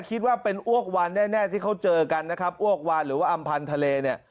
คิดว่าเป็นอ้วกวานแน่ที่เขาเจอกันนะครับอ้วกวานหรือว่าอำพันธ์ทะเลเนี่ย